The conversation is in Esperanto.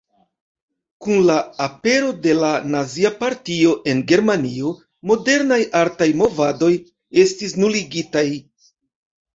Kun la apero de la Nazia Partio en Germanio, modernaj artaj movadoj estis nuligitaj.